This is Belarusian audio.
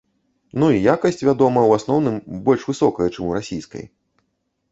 Ну і якасць, вядома, у асноўным больш высокая, чым у расійскай.